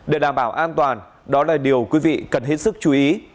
để đảm bảo an toàn đó là điều quý vị cần hết sức chú ý